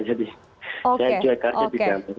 jadi saya juga tidak berpikir